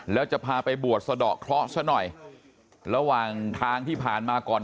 แล้วจะพาไปบวชสะดอกเคราะห์ซะหน่อยระหว่างทางที่ผ่านมาก่อน